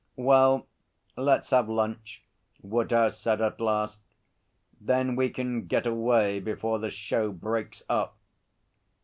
'Well, let's have lunch,' Woodhouse said at last. 'Then we can get away before the show breaks up.'